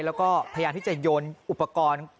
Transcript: แล้วก็พยายามที่จะโยนอุปกรณ์